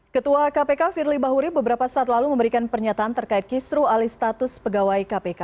ketua kpk firly bahuri beberapa saat lalu memberikan pernyataan terkait kisru alih status pegawai kpk